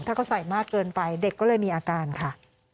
ถ้าเขาใส่มากเกินไปเด็กก็เลยมีอาการค่ะ